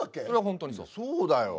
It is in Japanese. そうだよ。